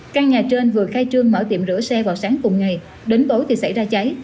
căn nhà trên vừa khai trương mở tiệm rửa xe vào sáng cùng ngày đến tối thì xảy ra cháy